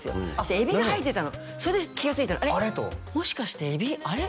エビが入ってたのそれで気がついたのもしかしてエビあれ？